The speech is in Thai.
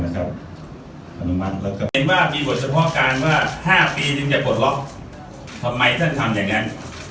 ก็เห็นว่ามีบทเฉพาะการว่า๕ปีถึงจะปลดล็อกทำไมท่านทำอย่างนั้น